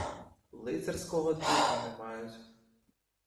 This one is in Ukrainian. Лицарського духа не мають.